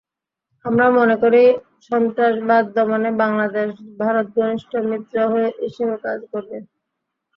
আমরা মনে করি সন্ত্রাসবাদ দমনে বাংলাদেশ-ভারত ঘনিষ্ঠ মিত্র হিসেবে কাজ করব।